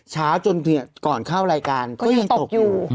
จนก่อนเข้ารายการก็ยังตกอยู่